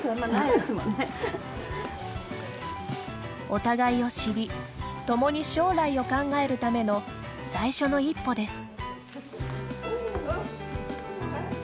お互いを知り共に将来を考えるための最初の一歩です。